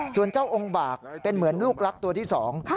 ส่วนเจ้าองค์บากเป็นเหมือนลูกรักตัวที่สอง